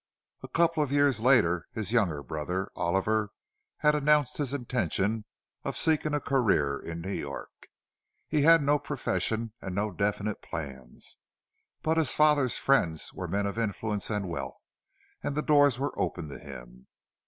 A couple of years later his younger brother, Oliver, had announced his intention of seeking a career in New York. He had no profession, and no definite plans; but his father's friends were men of influence and wealth, and the doors were open to him.